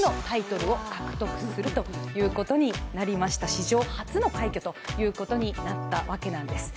史上初の快挙となったわけなんです。